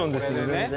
全然。